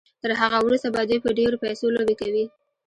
تر هغه وروسته به دوی په ډېرو پيسو لوبې کوي.